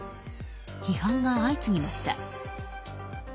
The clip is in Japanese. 批判が相次ぎました。